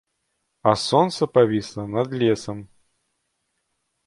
А сонца павісала над лесам.